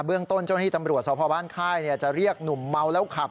เรื่องต้นเจ้าหน้าที่ตำรวจสพบ้านค่ายจะเรียกหนุ่มเมาแล้วขับ